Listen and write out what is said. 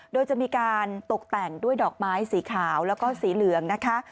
โดยจะมีการตกแต่งด้วยดอกไม้สีขาวแล้วก็สีเหลืองนะคะ